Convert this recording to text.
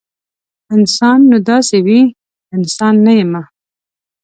انسان نو داسې وي؟ انسان نه یمه